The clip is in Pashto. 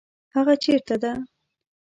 هغه چیرته ده؟